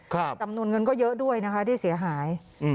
จำนวนเงินก็เยอะด้วยนะคะที่เสียหายอืม